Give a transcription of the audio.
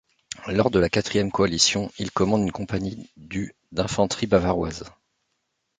Lors de la Quatrième Coalition, il commande une compagnie du d'infanterie bavaroise.